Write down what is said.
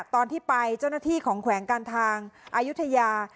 ตอนที่ไปเจ้าหน้าที่ของแขวงการทางอายุทยา